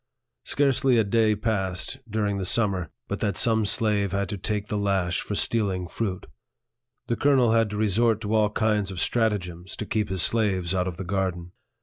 Scarcely a day passed, during the summer, but that some slave had to take the lash for stealing fruit. The colonel had to resort to all kinds of strat agems to keep his slaves out of the garden.